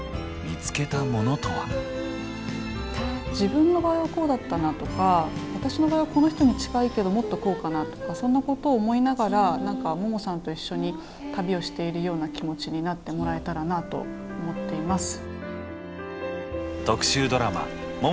自分の場合はこうだったなとか私の場合はこの人に近いけどもっとこうかなとかそんなことを思いながら何かももさんと一緒に旅をしているような気持ちになってもらえたらなと思っています。